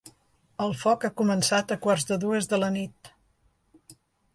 El foc ha començat a quarts de dues de la nit.